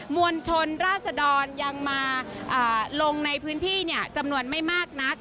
มวลชนราศดรยังมาลงในพื้นที่จำนวนไม่มากนัก